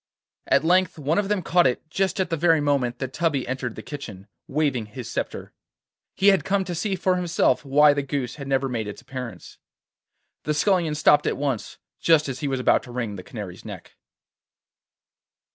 At length one of them caught it just at the very moment that Tubby entered the kitchen, waving his sceptre. He had come to see for himself why the goose had never made its appearance. The Scullion stopped at once, just as he was about to wring the Canary's neck.